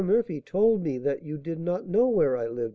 Murphy told me that you did not know where I lived, M.